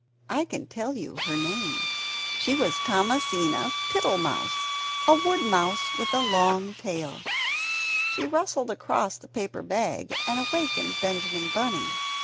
(I can tell you her name, she was called Thomasina Tittle mouse, a woodmouse with a long tail.) She rustled across the paper bag, and awakened Benjamin Bunny.